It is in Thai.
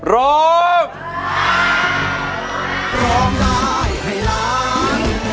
ร้อง